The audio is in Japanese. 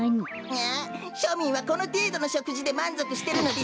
ああしょみんはこのていどのしょくじでまんぞくしてるのですか？